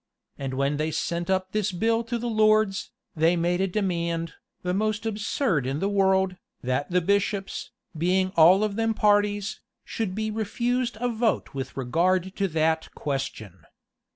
And when they sent up this bill to the lords, they made a demand, the most absurd in the world, that the bishops, being all of them parties, should be refused a vote with regard to that question.